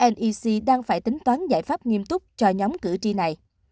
nec đang phải tính toán giải pháp nghiêm túc cho nhóm cử tri này